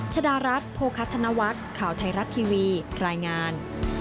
ชดารัฐโภคัธนวัฒน์ข่าวไทยรัฐทีวีรายงาน